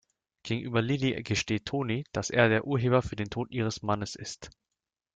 Gegenüber Lilli gesteht Toni, dass er der Urheber für den Tod ihres Mannes ist.